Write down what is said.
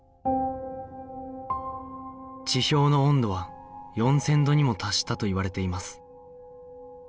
地表の温度は４０００度にも達したといわれています